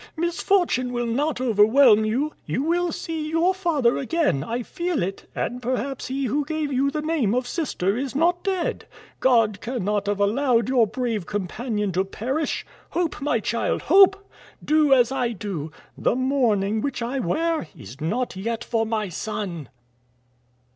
Misfortune will not overwhelm you. You will see your father again; I feel it; and perhaps he who gave you the name of sister is not dead. God cannot have allowed your brave companion to perish. Hope, my child, hope! Do as I do. The mourning which I wear is not yet for my son."